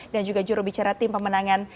dan juga jurubicara tim pemenangan